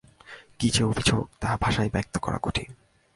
কী যে অভিযোগ তাহা ভাষায় ব্যক্ত করা কঠিন।